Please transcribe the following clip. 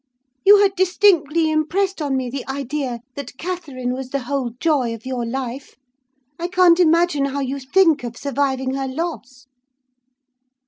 You had distinctly impressed on me the idea that Catherine was the whole joy of your life: I can't imagine how you think of surviving her loss.